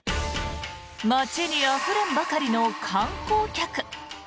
街にあふれんばかりの観光客。